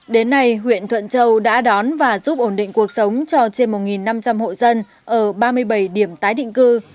đến nay huyện thuận châu đã đón và giúp ổn định cuộc sống cho trên một năm trăm linh hộ dân ở ba mươi bảy điểm tái định cư